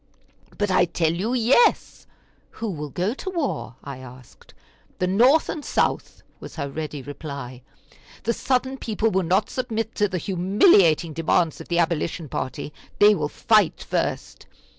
"But I tell you yes." "Who will go to war?" I asked. "The North and South," was her ready reply. "The Southern people will not submit to the humiliating demands of the Abolition party; they will fight first."